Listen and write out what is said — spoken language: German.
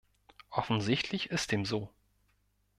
Offensichtlich ist dem so.